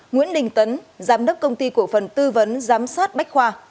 nguyễn đình tấn giám đốc công ty cổ phần tư vấn giám sát bách khoa